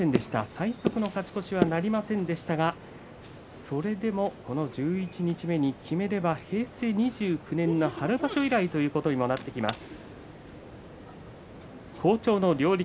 最速の勝ち越しとはなりませんでしたけれどもこの十一日目に決めれば平成２１年の春場所以来ということにもなってきます。